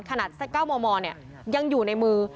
ขนาด๙มมเนี่ยยังอยู่ในมือ